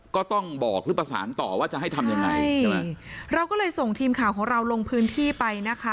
ก็ต้องบอกหรือประสานต่อว่าจะให้ทำยังไงใช่ไหมเราก็เลยส่งทีมข่าวของเราลงพื้นที่ไปนะคะ